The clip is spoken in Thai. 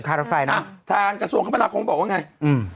รถไฟนะอ่ะทางกระทรวงคมนาคมบอกว่าไงอืม